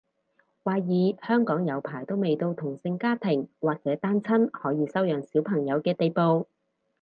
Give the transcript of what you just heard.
懷疑香港有排都未到同性家庭或者單親可以收養小朋友嘅地步